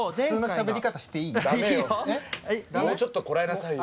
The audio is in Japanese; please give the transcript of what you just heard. もうちょっとこらえなさいよ。